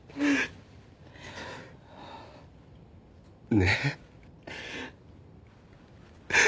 ねえ。